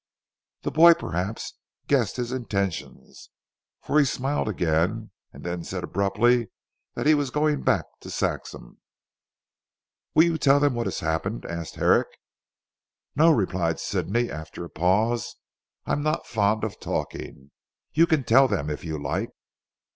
The boy perhaps guessed his intentions, for he smiled again, and then said abruptly, that he was going back to Saxham. "Will you tell them what has happened?" asked Herrick. "No," replied Sidney, after a pause, "I am not fond of talking. You can tell them if you like."